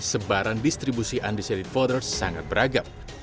sebaran distribusi undecided voters sangat beragam